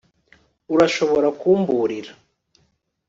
Urashobora kumburira